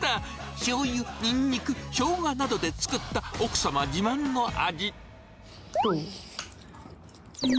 しょうゆ、ニンニク、ショウガなどで作った、奥様自慢の味。